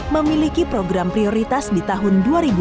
memiliki program prioritas di tahun dua ribu dua puluh